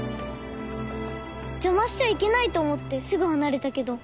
邪魔しちゃいけないと思ってすぐ離れたけど。